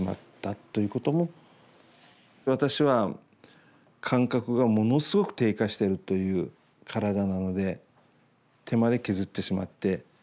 私は感覚がものすごく低下してるという体なので手まで削ってしまって。